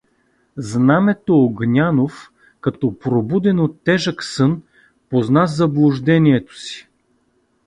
Знамето Огнянов, като пробуден от тежък сън, позна заблуждението си.